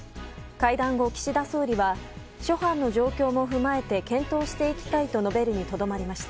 会談後、岸田総理は諸般の状況も踏まえて検討していきたいと述べるにとどまりました。